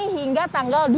yakni hingga tanggal dua mei